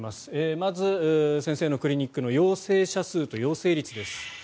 まず先生のクリニックの陽性者数と陽性率です。